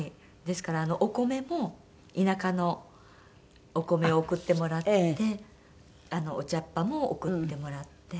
ですからお米も田舎のお米を送ってもらってお茶っ葉も送ってもらってはい。